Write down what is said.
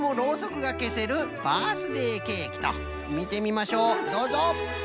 みてみましょうどうぞ。